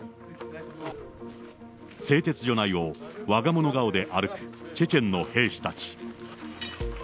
製鉄所内をわが物顔で歩くチェチェンの兵士たち。